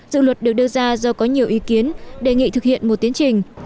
dự luật được đưa ra do có nhiều ý kiến đề nghị thực hiện một tiến trình